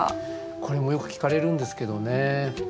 これもよく聞かれるんですけどね